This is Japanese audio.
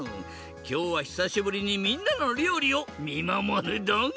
きょうはひさしぶりにみんなのりょうりをみまもるドン！